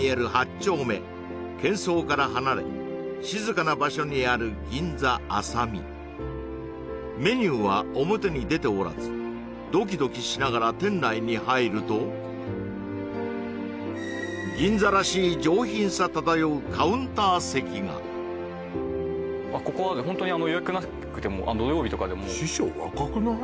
丁目けん騒から離れ静かな場所にある銀座あさみメニューは表に出ておらずドキドキしながら店内に入ると銀座らしいがここはホントに予約なくても土曜日とかでも師匠若くない？